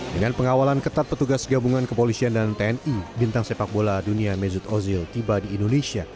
dengan pengawalan ketat petugas gabungan kepolisian dan tni bintang sepak bola dunia mezud ozil tiba di indonesia